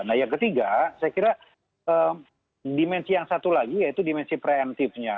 nah yang ketiga saya kira dimensi yang satu lagi yaitu dimensi preemptifnya